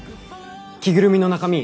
着ぐるみの中身